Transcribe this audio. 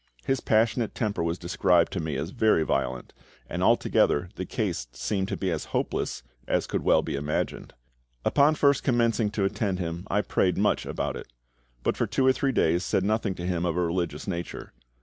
His passionate temper was described to me as very violent, and altogether the case seemed to be as hopeless as could well be imagined. Upon first commencing to attend him I prayed much about it; but for two or three days said nothing to him of a religious nature.